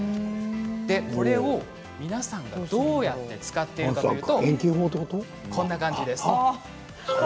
これを皆さんどうやって使っているかといいますとこんな感じですね。